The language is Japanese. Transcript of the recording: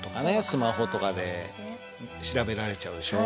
スマホとかで調べられちゃうでしょ。